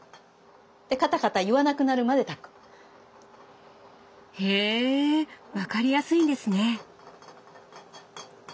でカタカタ言わなくなるまで炊く。へ分かりやすいんですね。